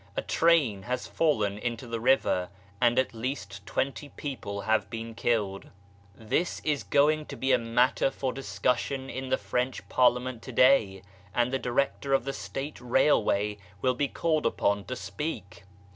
A train has fallen into the river and at least twenty people have been killed. This is going to be a matter for discussion in the French Parliament to day, and the Director of the State Railway will be called upon to speak.